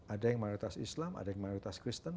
ada yang mayoritas islam ada yang mayoritas kristen